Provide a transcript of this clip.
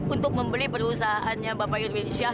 untuk membeli perusahaannya bapak yurdin syah